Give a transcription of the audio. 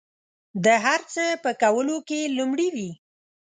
د هر څه په کولو کې لومړي وي.